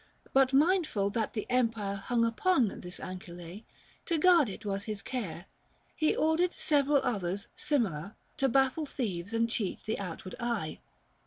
405 But mindful that the empire hung upon This ancile, to guard it was his care. . He ordered several others, similar, To baffle thieves and cheat the outward eye.